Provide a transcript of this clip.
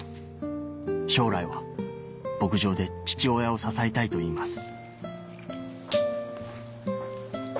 将来は牧場で父親を支えたいと言います